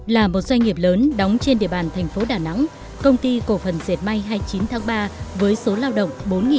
là một doanh nghiệp lớn đóng trên địa bàn thành phố đà nẵng công ty cổ phần diệt may hai mươi chín tháng ba với số lao động